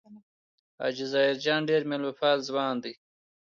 حاجي ظاهر جان ډېر مېلمه پال ځوان دی.